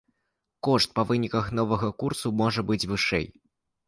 Кошт па выніках новага конкурсу можа быць вышэй.